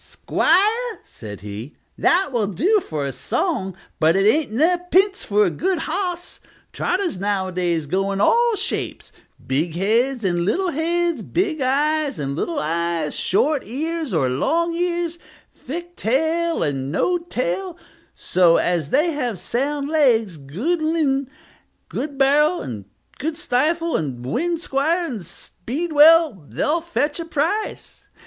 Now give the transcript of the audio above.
"'Squire," said he, "that will do for a song, but it ain't no p'ints of a good hos. Trotters nowadays go in all shapes, big heads and little heads, big eyes and little eyes, short ears or long ears, thick tail and no tail; so as they have sound legs, good l'in, good barrel, and good stifle, and wind, 'squire, and speed well, they'll fetch a price.